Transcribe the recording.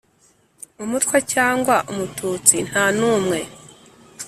umutwa cyangwa umututsi nta n'umwe